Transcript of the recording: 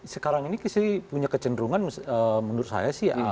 sekarang ini punya kecenderungan menurut saya sih